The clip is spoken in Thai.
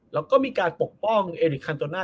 แล้วก็มีการปกป้องเอริคันโตน่า